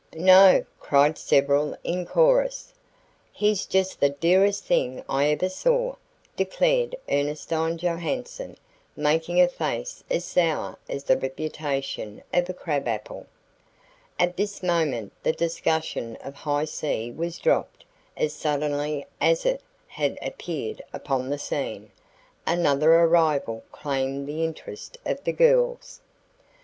"No," cried several in chorus. "He's just the dearest thing I ever saw," declared Ernestine Johanson, making a face as sour as the reputation of a crabapple. At this moment the discussion of "High C" was dropped as suddenly as "it" had appeared upon the scene. Another arrival claimed the interest of the girls.